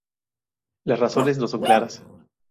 Las razones no son claras.